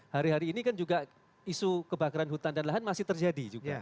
hari hari ini kan juga isu kebakaran hutan dan lahan masih terjadi juga